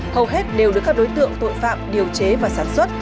hầu hết đều được các đối tượng tội phạm điều chế và sản xuất